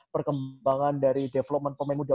perkembangan dari development muda